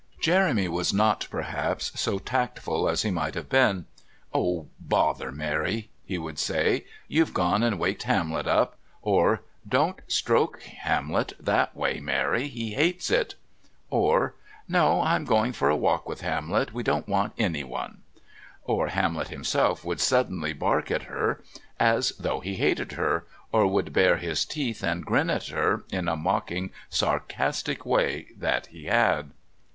Jeremy was not, perhaps, so tactful as he might have been. "Oh bother, Mary!" he would say. "You've gone and waked Hamlet up!" or "Don't stroke Hamlet that way, Mary; he hates it!" or "No, I'm going for a walk with Hamlet; we don't want anyone!" Or Hamlet himself would suddenly bark at her as though he hated her, or would bare his teeth and grin at her in a mocking, sarcastic way that he had.